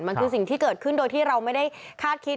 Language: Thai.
มันคือสิ่งที่เกิดขึ้นโดยที่เราไม่ได้คาดคิด